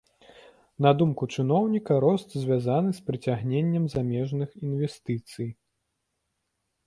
На думку чыноўніка, рост звязаны з прыцягненнем замежных інвестыцый.